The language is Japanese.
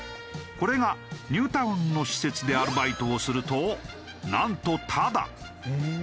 これがニュータウンの施設でアルバイトをするとなんとタダ！